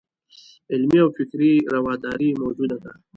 علمي او فکري راوداري موجوده وي.